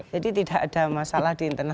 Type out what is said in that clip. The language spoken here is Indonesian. jadi tidak ada masalah di internet